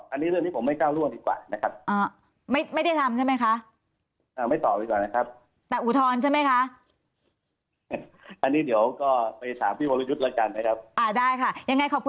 อันนี้เรื่องนี้ผมไม่ก้าวล่วงดีกว่านะครับ